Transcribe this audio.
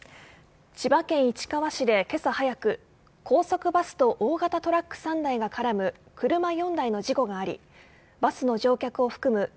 千葉県市川市で今朝早く高速バスと大型トラック３台が絡む車４台の事故がありバスの乗客を含む